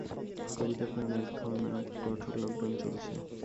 কোভিডের কারণে এখানে কঠোর লকডাউন চলছে।